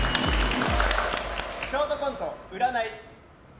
ショートコント、占い。